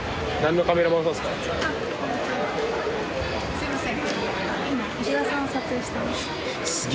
すいません。